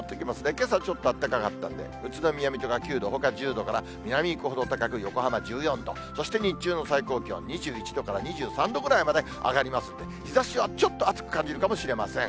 けさちょっとあったかかったんで、宇都宮、水戸が９度、ほか１０度から南に行くほど高く横浜１４度、そして日中の最高気温２１度から２３度ぐらいまで上がりますんで、日ざしはちょっと暑く感じるかもしれません。